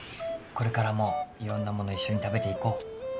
これからもいろんなもの一緒に食べていこ。